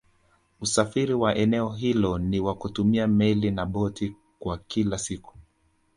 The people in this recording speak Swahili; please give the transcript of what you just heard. usafiri wa eneo hilo ni wa kutumia Meli na boti kwa kila siku